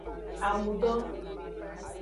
Amudo.